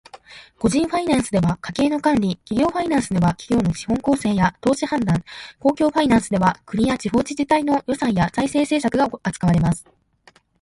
個人ファイナンスでは家計の管理、企業ファイナンスでは企業の資本構成や投資判断、公共ファイナンスでは国や地方自治体の予算や財政政策が扱われます。